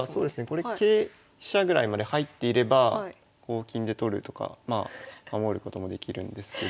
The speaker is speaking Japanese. これ桂飛車ぐらいまで入っていれば金で取るとかまあ守ることもできるんですけど。